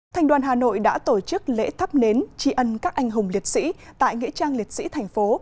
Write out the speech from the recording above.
thành đoàn hà nội đã tổ chức lễ thắp nến tri ân các anh hùng liệt sĩ tại nghĩa trang liệt sĩ thành phố